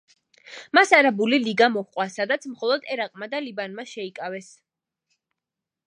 მას არაბული ლიგა მოჰყვა, სადაც მხოლოდ ერაყმა და ლიბანმა შეიკავეს.